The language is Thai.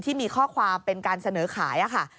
ที่มีข้อความเป็นการเสนอขายค่ะ